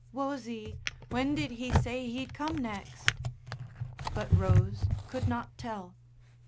"Wosie, when did he say he'd come next?" But Rose could not tell.